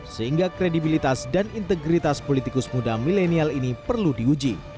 sehingga kredibilitas dan integritas politikus muda milenial ini perlu diuji